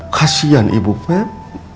kasian ibu pep